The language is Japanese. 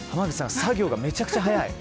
作業がめちゃくちゃ早い。